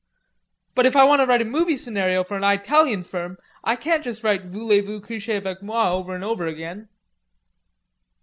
"But if I want to write a movie scenario for an Eytalian firm, I can't just write 'voulay vous couchezavecmoa' over and over again."